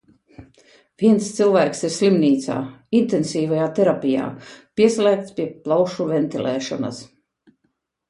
Viens cilvēks ir slimnīcā, intensīvajā terapijā, pieslēgts pie plaušu ventilēšanas.